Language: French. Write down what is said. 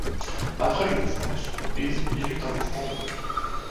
Après le mouvement de surprise, il eut un mouvement de bonheur.